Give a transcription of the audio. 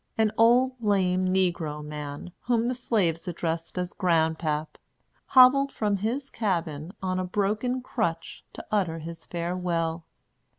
An old, lame negro man, whom the slaves addressed as Grandpap, hobbled from his cabin, on a broken crutch, to utter his farewell.